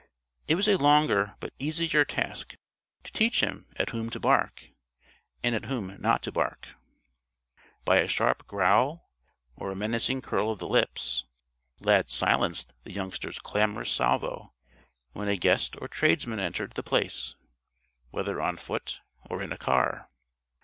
It was a longer but easier task to teach him at whom to bark and at whom not to bark. By a sharp growl or a menacing curl of the lips, Lad silenced the youngster's clamorous salvo when a guest or tradesman entered The Place, whether on foot or in a car.